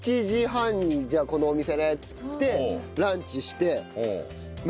１１時半にじゃあこのお店ねっつってランチして。